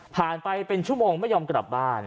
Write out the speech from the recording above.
ไปเป็นชั่วโมงไม่ยอมกลับบ้าน